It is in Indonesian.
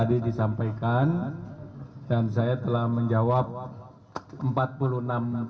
dan pemeriksaan air langga diperiksa sebagai tersangka dalam kasus dugaan korupsi